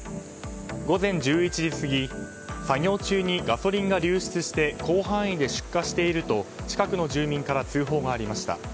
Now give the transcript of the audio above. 午前１１時過ぎ作業中にガソリンが流出して広範囲で出火していると、近くの住民から通報がありました。